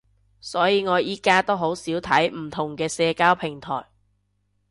所以我而家都好少睇唔同嘅社交平台